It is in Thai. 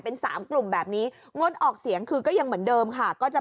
เป็นสามกลุ่มแบบนี้งดออกเสียงคือก็ยังเหมือนเดิมค่ะก็จะ